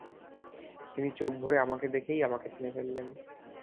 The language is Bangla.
তিনি চোখ ভরে আমাকে দেখেই আমাকে চিনে ফেললেন।